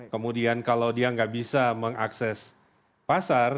kemudian kalau dia nggak bisa mengakses pasar